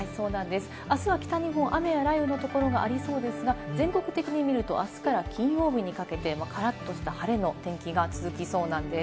明日は北日本、雨や雷雨の所がありそうですが、全国的に見ると明日から金曜日にかけて、カラっとした晴れの天気が続きそうなんです。